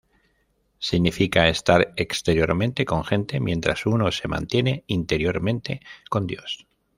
Significa estar exteriormente con gente mientras uno se mantiene interiormente con Dios.